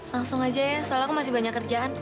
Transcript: langsung aja ya soal aku masih banyak kerjaan